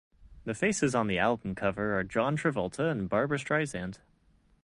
The faces on the album cover are John Travolta and Barbra Streisand.